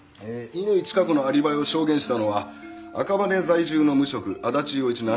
乾チカ子のアリバイを証言したのは赤羽在住の無職足立陽一７７歳。